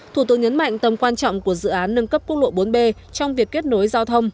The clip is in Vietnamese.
thủ tướng nhấn mạnh tầm quan trọng của dự án nâng cấp quốc lộ bốn b trong việc kết nối giao thông